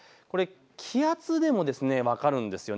気圧でも分かるんです。